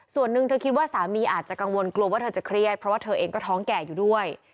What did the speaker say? ส่วนหนึ่งเธอคิดว่าสามีอาจจะกังวลกลัวว่าเธอจะเครียดเพราะว่าเธอเองก็ท้องแก่อยู่ด้วย